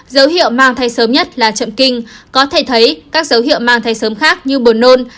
dấu hiệu mang thai sớm nhất là chậm kinh có thể thấy các dấu hiệu mang thai sớm khác như buồn nôn